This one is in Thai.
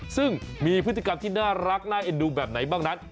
ซึ่งมีพฤติกรรมที่น่ารักน่าเอ็นดูแบบไหนบ้างนั้น